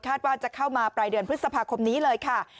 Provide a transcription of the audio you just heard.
ว่าจะเข้ามาปลายเดือนพฤษภาคมนี้เลยค่ะ